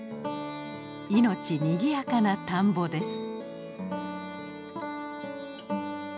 命にぎやかな田んぼです。